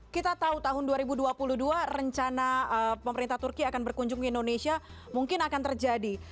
kita tahu tahun dua ribu dua puluh dua rencana pemerintah turki akan berkunjung ke indonesia mungkin akan terjadi